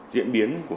diễn biến của